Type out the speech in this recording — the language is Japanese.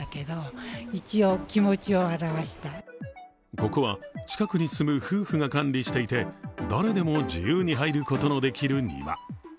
ここは近くに住む夫婦が管理していて誰でも自由に入ることのできる庭。